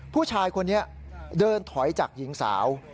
ผู้ชายคนนี้เดินถอยจากหญิงสาว